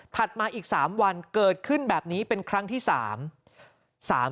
มาอีก๓วันเกิดขึ้นแบบนี้เป็นครั้งที่สาม